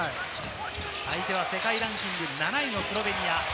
相手は世界ランキング７位のスロベニア。